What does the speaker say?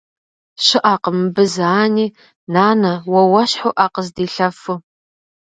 Щыӏэкъым мыбы зы ани, нанэ, уэ уэщхьу ӏэ къыздилъэфу.